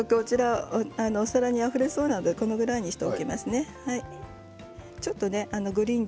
お皿にあふれそうなのでこれぐらいにしておきますね。